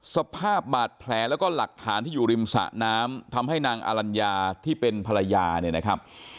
สภาพบาดแผลแล้วก็หลักฐานที่อยู่ริมสะน้ำทำให้นางอลัญญาที่เป็นภรรยาเนี่ยนะครับ